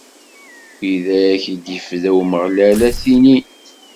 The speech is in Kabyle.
Widak i d-ifda Umeɣlal ad t-inin.